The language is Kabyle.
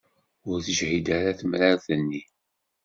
Ur teǧhid ara temrart-nni.